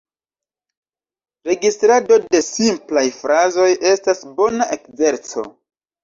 Registrado de simplaj frazoj estas bona ekzerco.